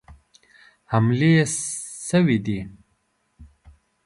حملې سوي دي.